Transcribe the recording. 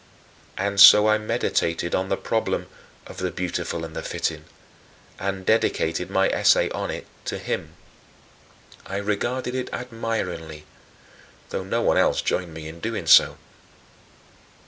And so I meditated on the problem "of the beautiful and the fitting" and dedicated my essay on it to him. I regarded it admiringly, though no one else joined me in doing so.